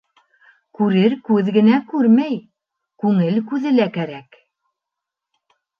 Күрер күҙ генә күрмәй, күңел күҙе лә кәрәк.